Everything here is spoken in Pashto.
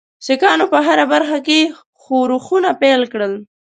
سیکهانو په هره برخه کې ښورښونه پیل کړل.